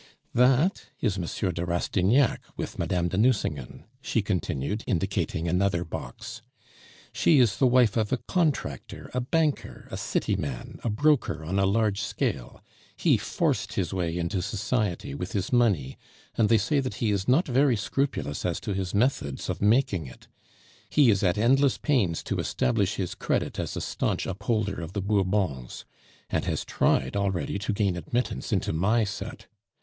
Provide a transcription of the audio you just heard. That is M. de Rastignac with Mme. de Nucingen," she continued, indicating another box; "she is the wife of a contractor, a banker, a city man, a broker on a large scale; he forced his way into society with his money, and they say that he is not very scrupulous as to his methods of making it. He is at endless pains to establish his credit as a staunch upholder of the Bourbons, and has tried already to gain admittance into my set.